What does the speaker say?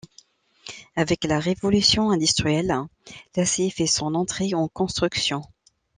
Avec la révolution industrielle, l'acier fait son entrée en construction.